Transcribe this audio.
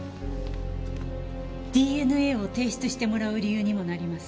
ＤＮＡを提出してもらう理由にもなります。